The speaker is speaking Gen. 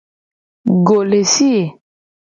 Go le fi ye.